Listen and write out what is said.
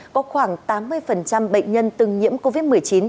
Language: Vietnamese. có khoảng tám mươi bệnh nhân từng nhiễm covid một mươi chín